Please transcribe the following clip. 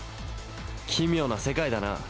奇妙な世界だな。